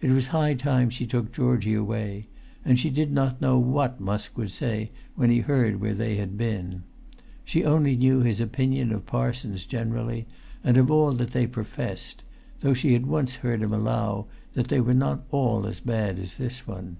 It was high time she took Georgie away; and she did not know what Musk would say when he heard where they had been. She only knew his opinion of parsons generally, and of all that they professed, though she had once heard him allow that they were not all as bad as this one.